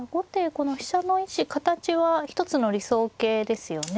この飛車の位置形は一つの理想型ですよね。